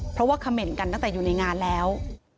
เพราะว่าเขม่นกันตั้งแต่อยู่ในงานแล้ว